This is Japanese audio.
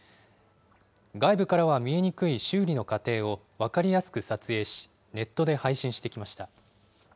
外部からは見えにくい修理の過程を分かりやすく撮影し、ネットで配信してきました。